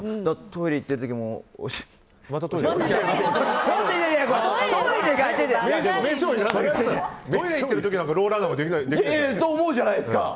トイレ行ってる時なんてそう思うじゃないですか！